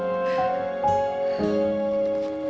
aku akan menjaga dia